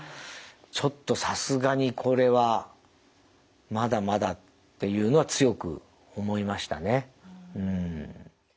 ちょっとさすがにこれはまだまだっていうのは強く思いましたね。